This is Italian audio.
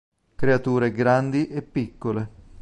Creature grandi e piccole